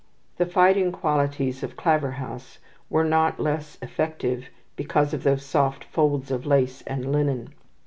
The fighting qualities of Claverhouse were not less effective because of those soft folds of lace and linen.